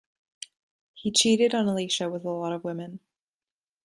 He cheated on Alesha with a lot of women.